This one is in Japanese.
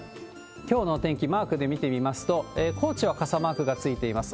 きょうのお天気、マークで見てみますと、高知は傘マークがついています。